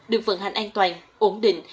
được vận hành an toàn ổn định